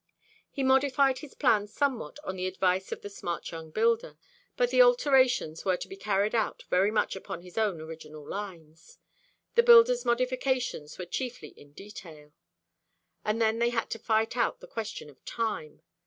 He modified his plans somewhat on the advice of the smart young builder; but the alterations were to be carried out very much upon his own original lines the builder's modifications were chiefly in detail. And then they had to fight out the question of time.